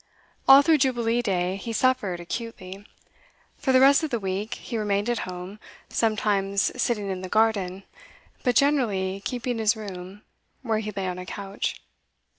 All through Jubilee Day he suffered acutely; for the rest of the week he remained at home, sometimes sitting in the garden, but generally keeping his room, where he lay on a couch.